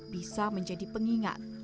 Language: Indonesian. bisa menjadi pengingat